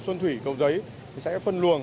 xuân thủy cầu giấy sẽ phân luồng